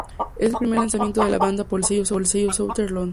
Es el primer lanzamiento de la banda para el sello Southern Lord.